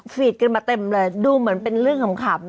ฟีดกันมาเต็มเลยดูเหมือนเป็นเรื่องขำ